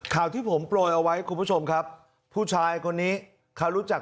ข่าวที่ผมโปรยเอาไว้คุณผู้ชมครับผู้ชายคนนี้เขารู้จัก